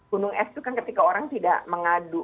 gunung es itu kan ketika orang tidak mengadu